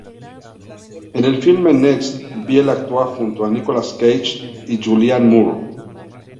En el filme "Next", Biel actúa junto a Nicolas Cage y Julianne Moore.